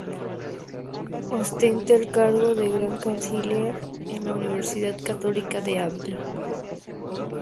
Ostenta el cargo de gran canciller de la Universidad Católica de Ávila.